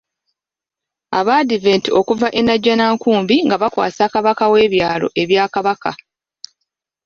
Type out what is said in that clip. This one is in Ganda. Aba adiventi okuva e Najjanankumbi nga bakwasa Kabaka W'ebyaalo bya Kabaka.